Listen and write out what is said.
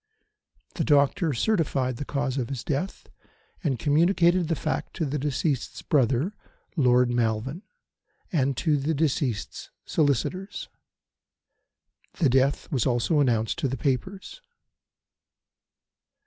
The doctor certified the cause of his death, and communicated the fact to the deceased's brother, Lord Malven, and to the deceased's solicitors. The death was also announced to the papers.